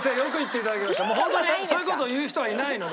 ホントにそういう事言う人はいないので。